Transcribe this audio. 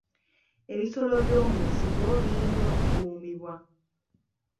Ebisolo by'omu nsiko birina okukuumibwa.